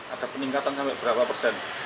ada peningkatan sampai berapa persen